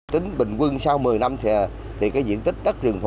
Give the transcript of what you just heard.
tính bình quân sau một mươi năm thì cái diện tích đất rừng phổ